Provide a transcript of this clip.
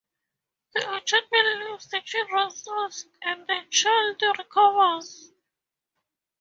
The attachment leaves the child's soul and the child recovers.